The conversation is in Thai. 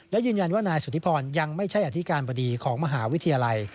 และยืนยันว่านายสุธิพรยังไม่ใช่อธิการบดีของมหาวิทยาลัย